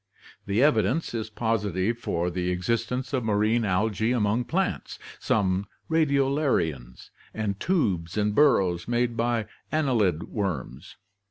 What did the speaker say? The evidence is positive for the existence of marine algae among plants, some radio larians, and tubes and burrows made by annelid worms.